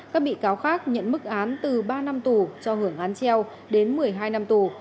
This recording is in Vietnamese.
các bị cáo khác nhận mức án từ ba năm tù cho hưởng án treo đến một mươi hai năm tù